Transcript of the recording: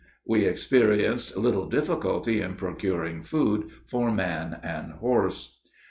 We experienced little difficulty in procuring food for man and horse.